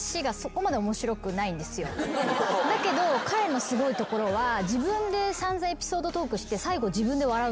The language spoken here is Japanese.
だけど彼のすごいところは自分で散々エピソードトークして。